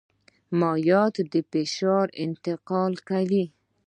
مایعات د فشار انتقال کوي.